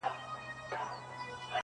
o توپکه مه دي سر سه، مه دي کونه٫